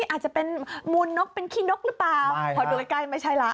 อาจจะเป็นมูลนกเป็นขี้นกหรือเปล่าพอดูใกล้ใกล้ไม่ใช่ละ